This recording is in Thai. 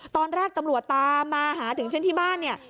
ตอนแรกตำรวจตามมาหาถึงเช่นที่บ้านเนี่ย